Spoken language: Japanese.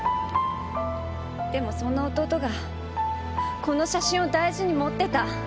でもそんな弟がこの写真を大事に持ってた！